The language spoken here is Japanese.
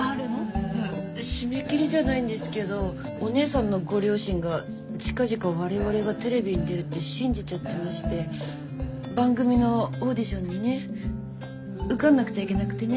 いや締め切りじゃないんですけどお姉さんのご両親が近々我々がテレビに出るって信じちゃってまして番組のオーディションにね受かんなくちゃいけなくてね？